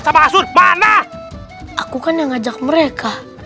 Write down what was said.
sampai jumpa di video selanjutnya